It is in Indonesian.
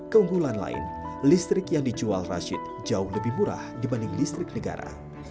keunggulan lain listrik yang dijual rashid jauh lebih murah dibanding listrik negara